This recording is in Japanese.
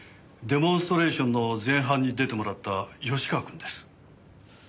デモンストレーションの前半に出てもらった芳川くんです。